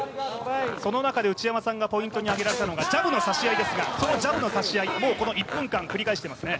その中で内山さんがポイントに上げられたのがジャブの差し合いですがそのジャブの差し合い、この１分間、繰り返していますね。